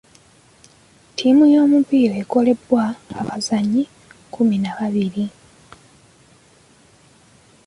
Ttiimu y'omupiira ekolebwa abazannyi kkumi na babiri.